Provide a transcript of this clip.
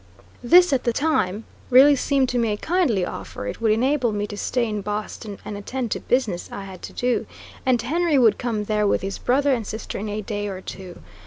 This, at the time, really seemed to me a kindly offer; it would enable me to stay in Boston and attend to business I had to do, and Henry would come there with his brother and sister in a day or two.